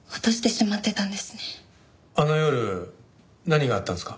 あの夜何があったんですか？